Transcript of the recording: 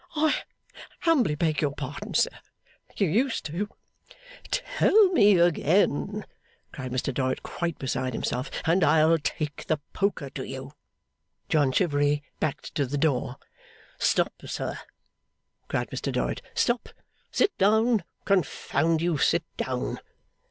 'I humbly beg your pardon, sir. You used to.' 'Tell me that again,' cried Mr Dorrit, quite beside himself, 'and I'll take the poker to you!' John Chivery backed to the door. 'Stop, sir!' cried Mr Dorrit. 'Stop! Sit down. Confound you sit down!